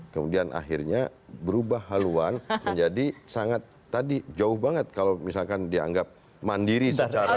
kemudian akhirnya berubah haluan menjadi sangat tadi jauh banget kalau misalkan dianggap mandiri secara